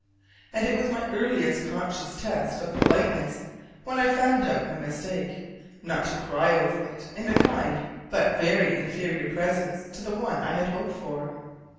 And it was my earliest conscious test of politeness, when I found out my mistake, not to cry over it in the kind but very inferior presence to that one I had hoped for.